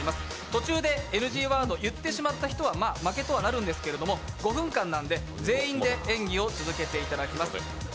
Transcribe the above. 途中でＮＧワード言ってしまった人は、負けとなるんですけど５分間なんで、全員で演技を続けていただきます。